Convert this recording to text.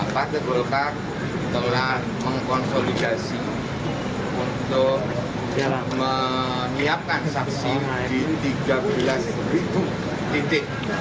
partai golkar telah mengkonsolidasi untuk menyiapkan saksi di tiga belas titik